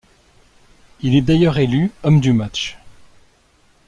Il est d'ailleurs élu homme du match.